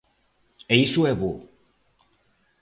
E iso é bo.